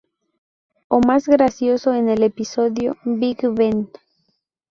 O más gracioso en el episodio "Big Ben".